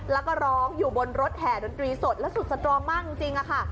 แล้วก็ร้องอยู่บนรถแห่ดนตรีสดและสุดสตรองมากจริงค่ะ